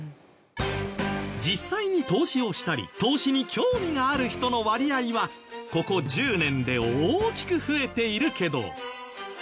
実際に投資をしたり投資に興味がある人の割合はここ１０年で大きく増えているけど。